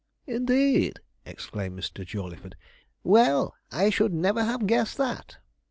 'Indeed,' exclaimed Mr. Jawleyford, 'well, I should never have guessed that.'